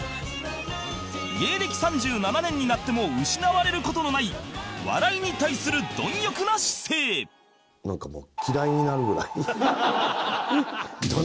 芸歴３７年になっても失われる事のない笑いに対する貪欲な姿勢なんかもう。